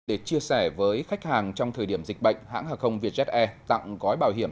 để chia sẻ với khách hàng trong thời điểm dịch bệnh hãng hàng không vietjet air tặng gói bảo hiểm